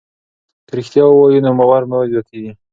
که رښتیا ووایو نو باور مو زیاتېږي.